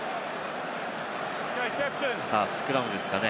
スクラムですかね？